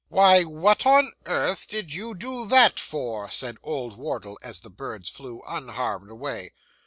'Why, what on earth did you do that for?' said old Wardle, as the birds flew unharmed away.